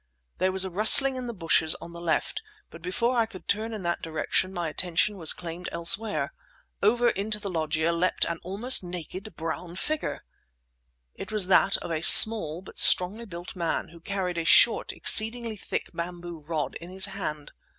There was a rustling in the bushes on the left; but before I could turn in that direction, my attention was claimed elsewhere. Over into the loggia leapt an almost naked brown figure! It was that of a small but strongly built man, who carried a short, exceedingly thick bamboo rod in his hand.